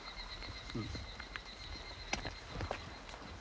うん。